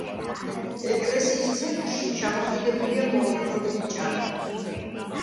ეკლესიის ცენტრში ჩამოკიდებულია მოოქროვილი ჭაღი.